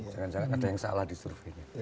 jangan jangan ada yang salah disurveinya